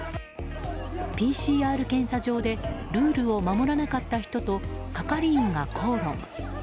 ＰＣＲ検査場でルールを守らなかった人と係員が口論。